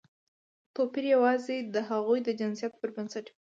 توپیر یوازې د هغوی د جنسیت پر بنسټ وي.